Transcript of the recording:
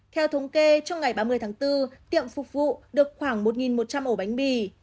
theo thống kê trong ngày ba mươi tháng bốn tiệm phục vụ được khoảng một một trăm linh ổ bánh mì